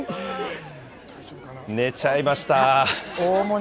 寝ちゃいました。